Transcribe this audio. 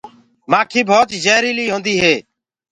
مآکي ڀوت جهريلي هوندي هي۔